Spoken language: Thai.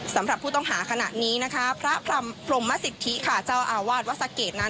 สำหรับผู้ต้องหาขณะนี้พระพรหมสิทธิเจ้าอาวาสวัสเกต